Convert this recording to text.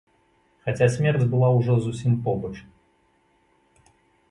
Хаця смерць была ўжо зусім побач.